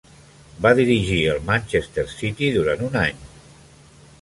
Va dirigir el Manchester City durant un any.